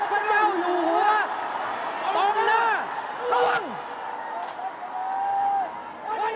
เผื่อเย็นโดยเกรงความหวัง